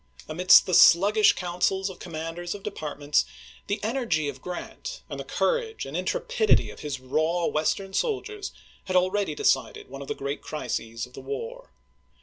Amidst the sluggish counsels of commanders of departments, the energy of Grant and the courage and intrepidity of his raw Western soldiers had al ready decided one of the great crises of the war.